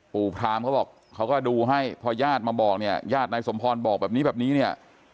พรามเขาบอกเขาก็ดูให้พอญาติมาบอกเนี่ยญาตินายสมพรบอกแบบนี้แบบนี้เนี่ย